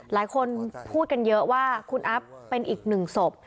หลายคนพูดกันเยอะว่าคุณอัพเป็นอีกหนึ่งศพ